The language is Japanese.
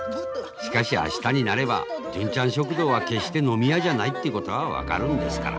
しかし明日になれば純ちゃん食堂は決して飲み屋じゃないということは分かるんですから。